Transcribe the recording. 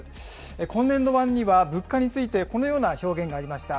今年度版には、物価について、このような表現がありました。